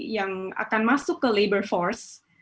yang akan masuk ke labor force